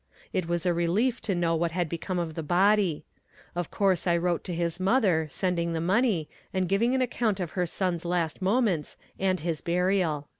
It was a relief to know what had become of the body. Of course I wrote to his mother, sending the money, and giving an account of her son's last moments, and his burial."